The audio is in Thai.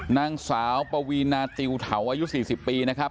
นางสาวปวีนาติวเถาอายุ๔๐ปีนะครับ